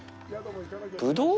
ブドウ？